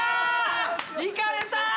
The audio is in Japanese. いかれた！